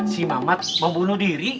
si mamat mau bunuh diri